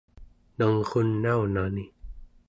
nangrunaunani